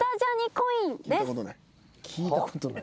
聞いたことない。